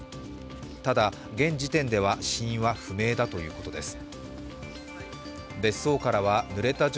ただ、現時点では死因は不明だということです。